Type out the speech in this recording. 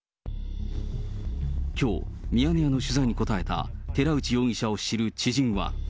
きょう、ミヤネ屋の取材に答えた寺内容疑者を知る知人は。